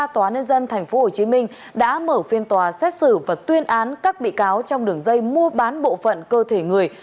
tòa nhân dân tp hcm đã mở phiên tòa xét xử và tuyên án các bị cáo trong đường dây mua bán bộ phận cơ thể người